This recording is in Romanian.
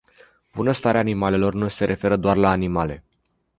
Bunăstarea animalelor nu se referă doar la animale.